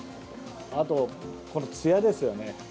あと、このつやですよね。